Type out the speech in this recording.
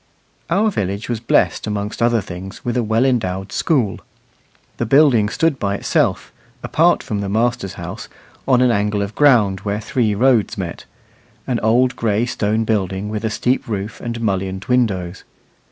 Our village was blessed amongst other things with a well endowed school. The building stood by itself, apart from the master's house, on an angle of ground where three roads met an old gray stone building with a steep roof and mullioned windows.